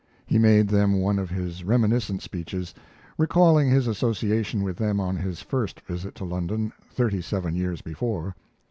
He made them one of his reminiscent speeches, recalling his association with them on his first visit to London, thirty seven years before.